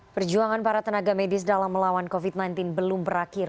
perjuangan para tenaga medis dalam melawan covid sembilan belas belum berakhir